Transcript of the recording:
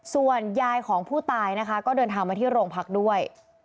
ส่วนยายของผู้ตายนะคะก็เดินทางมาที่โรงพักด้วย